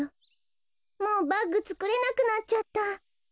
もうバッグつくれなくなっちゃった。